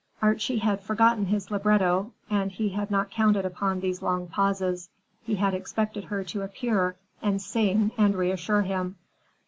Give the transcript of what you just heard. Archie had forgotten his libretto, and he had not counted upon these long pauses. He had expected her to appear and sing and reassure him.